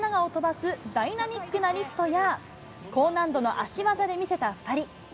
１５歳の比嘉が安永を飛ばすダイナミックなリフトや高難度の足技で見せた２人。